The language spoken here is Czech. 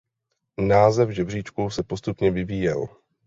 Název žebříčku se postupně vyvíjel.